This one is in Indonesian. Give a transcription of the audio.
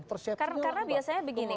karena biasanya begini